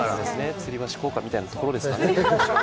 つり橋効果みたいなところですかね。